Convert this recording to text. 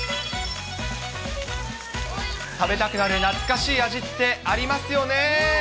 食べたくなる懐かしい味ってありますよね。